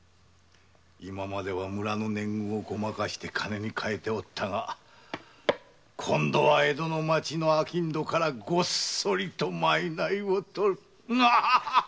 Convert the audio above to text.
今までは村の年貢をごまかして金に替えておったが今度は江戸の町の商人からごっそりと賂を取る。